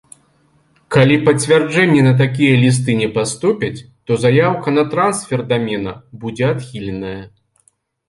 Калі пацвярджэнні на такія лісты не паступяць, то заяўка на трансфер дамена будзе адхіленая.